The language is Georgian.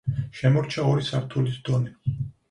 შემორჩა ორი სართულის დონე.